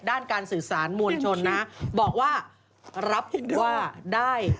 ด้านการสื่อสารมวลชนนะบอกว่ารับว่าได้